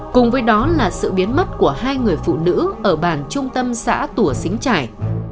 cùng với đó là sự biến mất của hai người phụ nữ ở bản trung tâm xã tùa xính trải